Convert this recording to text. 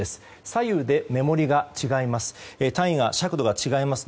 左右でメモリが違います。